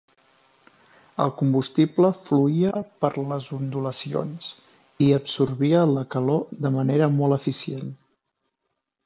El combustible fluïa per les ondulacions i absorbia la calor de manera molt eficient.